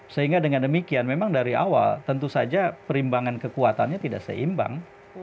sehingga dengan demikian memang dari awal tentu saja perimbangan kekuatannya tidak seimbang